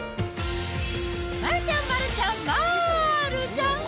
丸ちゃん、丸ちゃん、まーるちゃん。